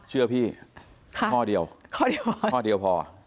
เชื่อพี่ข้อเดียวข้อเดียวพอ